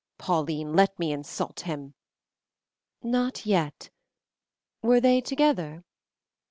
Pauline, let me insult him!" "Not yet. Were they together?"